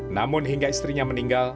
namun hingga istrinya meninggal